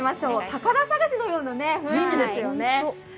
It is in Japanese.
宝探しのような雰囲気ですよね。